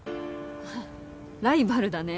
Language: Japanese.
ははっライバルだね。